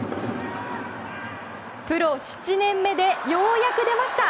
プロ７年目でようやく出ました。